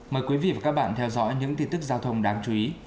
mời quý vị và các bạn theo dõi những tin tức giao thông đáng chú ý